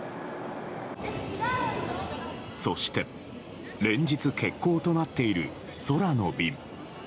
そして連日欠航となっている空の便。